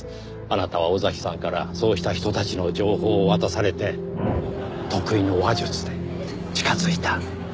あなたは尾崎さんからそうした人たちの情報を渡されて得意の話術で近づいた。